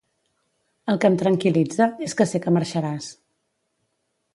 El que em tranquil·litza és que sé que marxaràs.